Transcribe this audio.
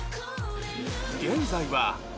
現在は